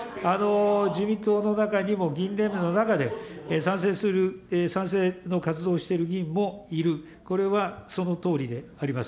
自民党の中にも議員連盟の中で、賛成する、賛成の活動している議員もいる、これはそのとおりであります。